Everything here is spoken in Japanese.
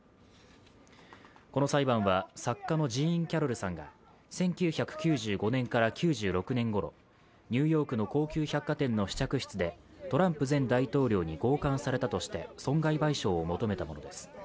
この裁判は、作家のジーン・キャロルさんが１９９５年から９６年ごろ、ニューヨークの高級百貨店の試着室でトランプ前大統領に強姦されたとして損害賠償を求めたものです。